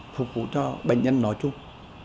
phục vụ cho bệnh nhân nói chung